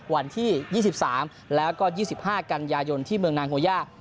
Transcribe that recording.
วันที่๒๓แล้วก็๒๕กันยายนที่เมืองนางโฮย่า